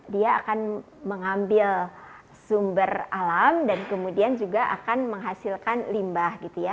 dia akan mengambil sumber alam dan kemudian juga akan menghasilkan limbah gitu ya